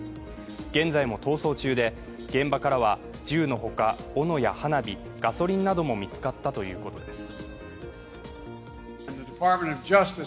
現在も逃走中で現場からは銃のほか斧や花火、ガソリンなども見つかったということです。